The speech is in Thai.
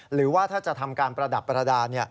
หรือว่าถ้าจะทำการประดับประดาษ